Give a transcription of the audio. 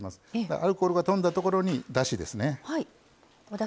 アルコールがとんだところにだしですね。